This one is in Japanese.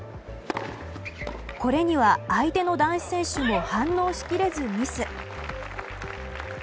これには相手の男子選手も反応しきれず、ミス。